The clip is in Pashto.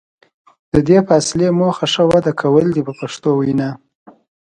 د دې فاصلې موخه ښه وده کول دي په پښتو وینا.